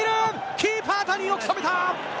キーパー、谷、よく止めた！